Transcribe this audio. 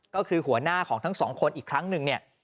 ก็คือหัวหน้าของทั้งสองคนอีกครั้งหนึ่งเนี่ย